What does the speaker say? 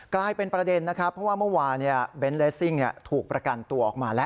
กลายเป็นประเด็นนะครับเพราะว่าเมื่อวานเบนท์เลสซิ่งถูกประกันตัวออกมาแล้ว